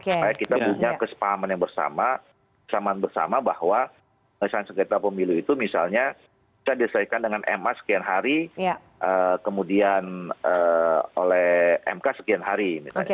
supaya kita punya kesepahaman yang bersama bahwa penyelesaian segitiga pemilu itu misalnya kita diselesaikan dengan ma sekian hari kemudian oleh mk sekian hari